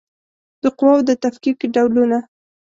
د قواوو د تفکیک ډولونه